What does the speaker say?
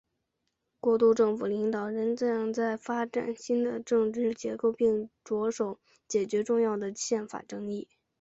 过渡政府领导人正在发展新的治理结构并着手解决重要的宪法争议。